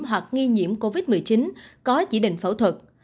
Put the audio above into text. hoặc nghi nhiễm covid một mươi chín có chỉ định phẫu thuật